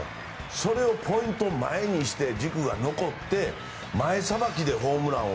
それをポイントを前にして軸が残って前さばきでホームランを。